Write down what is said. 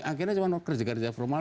akhirnya cuma kerja kerja formal